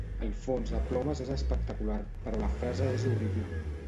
El fons de plomes és espectacular però la frase és horrible.